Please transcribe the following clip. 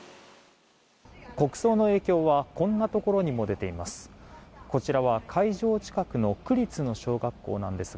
国葬の影響はこんなところにも出ています。